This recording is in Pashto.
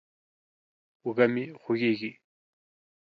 اوږه مې خوږېږي.